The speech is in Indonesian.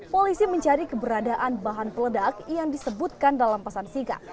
polisi mencari keberadaan bahan peledak yang disebutkan dalam pesan singkat